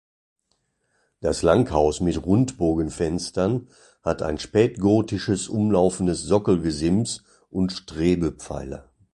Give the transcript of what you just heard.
Das Langhaus mit Rundbogenfenstern hat ein spätgotisches umlaufendes Sockelgesims und Strebepfeiler.